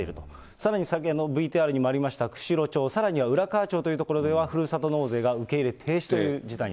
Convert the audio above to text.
さらにさっきのＶＴＲにもありました、釧路町、さらには浦河町という所ではふるさと納税が受け入れ停止という事態に。